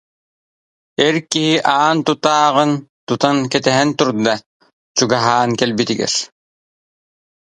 Эр киһи аан тутааҕын тутан кэтэһэн турда, чугаһаан кэлбитигэр: